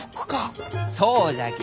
そうじゃき。